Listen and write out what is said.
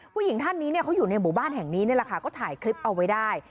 ผู้หญิงท่านนี้เขาอยู่ในหมู่บ้านแห่งนี้นี่แหละค่ะก็ถ่ายคลิปเอาไว้ได้